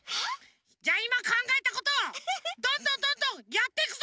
じゃあいまかんがえたことをどんどんどんどんやっていくぞ！